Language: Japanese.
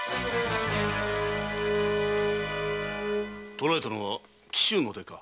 捕らえたのは紀州の出か？